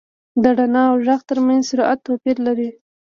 • د رڼا او ږغ تر منځ سرعت توپیر لري.